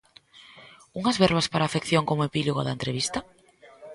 Unhas verbas para a afección como epílogo da entrevista?